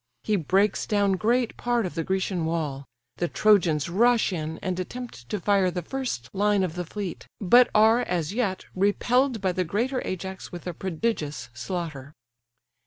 He breaks down great part of the Grecian wall: the Trojans rush in, and attempt to fire the first line of the fleet, but are, as yet, repelled by the greater Ajax with a prodigious slaughter.